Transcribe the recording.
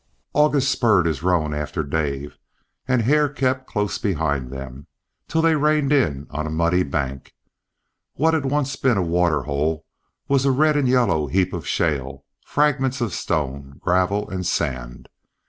August spurred his roan after Dave, and Hare kept close behind them, till they reined in on a muddy bank. What had once been a waterhole was a red and yellow heap of shale, fragments of stones, gravel, and sand.